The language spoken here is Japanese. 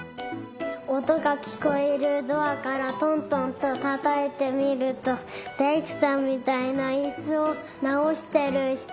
おとがきこえるドアからトントンとたたいてみるとだいくさんみたいないすをなおしてるひとがいました。